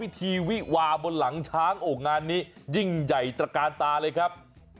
ทีวิวาบนหลังช้างโอ้งานนี้ยิ่งใหญ่ตระกาลตาเลยครับ